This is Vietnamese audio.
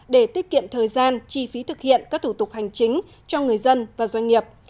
để tiết kiệm thời gian chi phí thực hiện các thủ tục hành chính cho người dân và doanh nghiệp